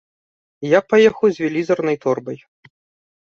І я паехаў з велізарнай торбай.